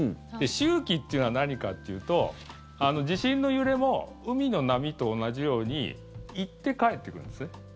周期っていうのは何かっていうと地震の揺れも海の波と同じように行って帰ってくるんですね。